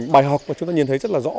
bài học mà chúng ta nhìn thấy rất là rõ